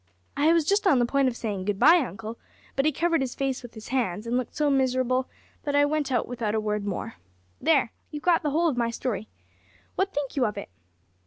I was just on the point of saying `Good bye, uncle,' but he covered his face with his hands, and looked so miserable, that I went out without a word more. There, you've got the whole of my story. What think you of it?"